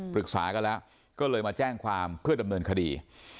ปรึกษากันแล้วก็เลยมาแจ้งความเพื่อดำเนินคดี